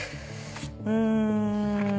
うん。